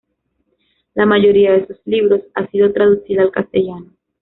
La mayoría de sus libros ha sido traducida al castellano.